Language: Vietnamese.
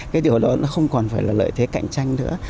cái điều đó nó không còn phải là lợi thế cạnh tranh nữa